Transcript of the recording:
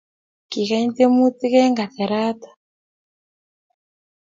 Kikany temutik eng kasaroto